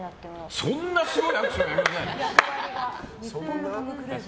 そんなすごいアクションやりません。